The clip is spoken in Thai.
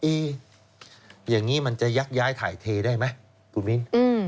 อย่างนี้มันจะยักย้ายถ่ายเทได้ไหมคุณมิ้น